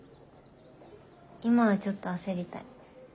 今はちょっと焦りたい。